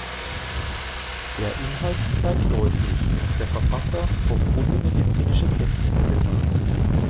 Der Inhalt zeigt deutlich, dass der Verfasser profunde medizinische Kenntnisse besaß.